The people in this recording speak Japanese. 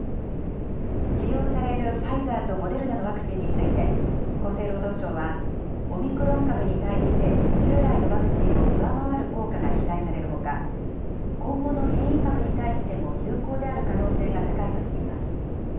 使用されるファイザーとモデルナのワクチンについて、厚生労働省は、オミクロン株に対して従来のワクチンを上回る効果が期待されるほか、今後の変異株に対しても有効である可能性が高いとしています。